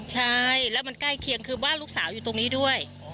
ใช่แล้วมันใกล้เคียงคือบ้านลูกสาวอยู่ตรงนี้ด้วย